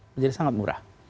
menjadi sangat murah